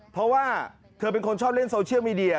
เพราะว่าเธอเป็นคนชอบเล่นโซเชียลมีเดีย